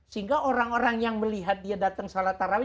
sehingga orang orang yang melihat dia datang salat taraweeh